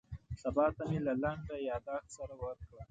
سبا ته مې له لنډ یاداښت سره ورکړه.